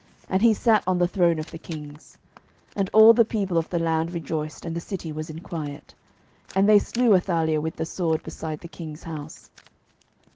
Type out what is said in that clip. And he sat on the throne of the kings. 12:011:020 And all the people of the land rejoiced, and the city was in quiet: and they slew Athaliah with the sword beside the king's house.